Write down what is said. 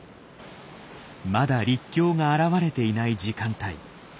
まだ陸橋が現れていない時間帯。